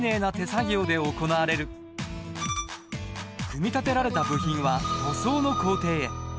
組み立てられた部品は塗装の工程へ。